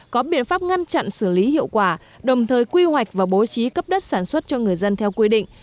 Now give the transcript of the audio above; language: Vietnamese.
có biện pháp ngăn chặn xử lý hiệu quả đồng thời quy hoạch và bố trí cấp đất sản xuất cho người dân theo quy định